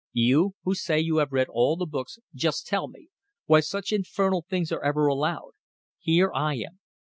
You, who say you have read all the books, just tell me ... why such infernal things are ever allowed. Here I am!